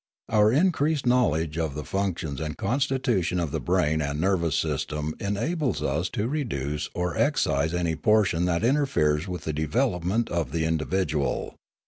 Our increased knowledge of the functions and constitution of the brain and nervous system enables us to reduce or ex cise any portion that interferes with the development of the individual.